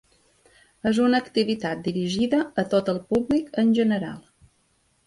És una activitat dirigida a tot el públic en general.